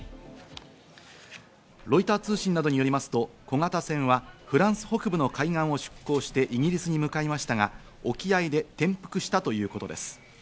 ロイター通信などによりますと小型船はフランス北部の海岸を出航して、イギリスに向かいましたが、沖合で転覆したということです。